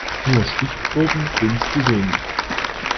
Nur Stichproben sind zu wenig.